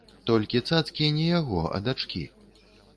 Толькі цацкі не яго, а дачкі.